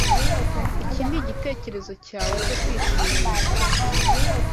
Iki nigitekerezo cyawe cyo kwishimisha?